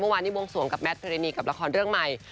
เมื่อวานนี้วงสวงกับแมทพิรณีกับละครเรื่องใหม่